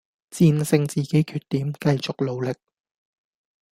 戰勝自己缺點，繼續努力